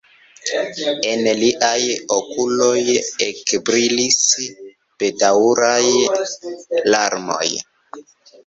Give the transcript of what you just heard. En liaj okuloj ekbrilis bedaŭraj larmoj.